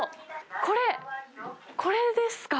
これ、これですか？